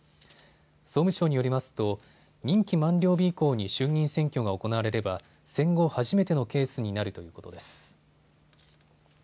総務省によりますと任期満了日以降に衆議院選挙が行われれば戦後初めてのケースになるということです。